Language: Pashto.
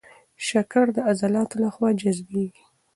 شکر د عضلاتو له خوا جذبېږي.